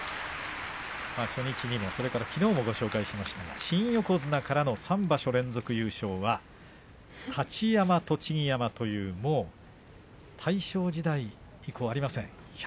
初日にも、それからきのうもご紹介しましたが新横綱から３場所連続優勝は太刀山、栃木山という大正時代以降はありません。